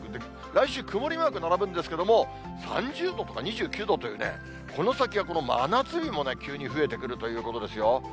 来週、曇りマーク並ぶんですけれども、３０度とか２９度という、この先は真夏日も急に増えてくるということですよ。